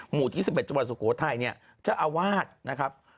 หมู่ที่๑๑จังหวัดสุโขทัยเนี่ยเจ้าอาวาสนะครับ